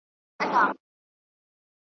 ګټه په تاوان کېږي